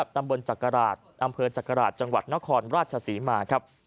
ตำบลจักราชอำเภิญจักราชจังหวัดนครราชสิมา